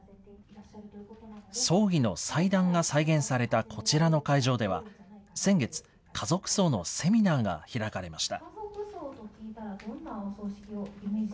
葬儀の祭壇が再現されたこちらの会場では、先月、家族葬のセミナーが開かれました。